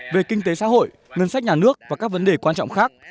về kinh tế xã hội ngân sách nhà nước và các vấn đề quan trọng khác